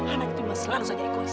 anak itu emang selalu saja egois